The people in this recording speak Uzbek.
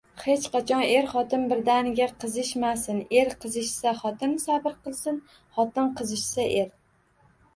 Hech qachon er-xotin birdaniga qizishmasin: er qizishsa, xotin sabr qilsin, xotin qizishsa, er.